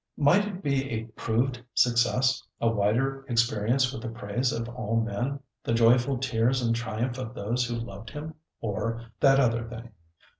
Might it be a proved success, a wider experience with the praise of all men, the joyful tears and triumph of those who loved him? Or that other thing?